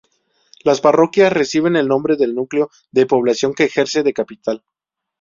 Las parroquias reciben el nombre del núcleo de población que ejerce de capital.